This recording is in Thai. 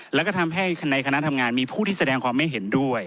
แล้วก็ทำให้ในคณะทำงานมีผู้ที่แสดงความไม่เห็นด้วย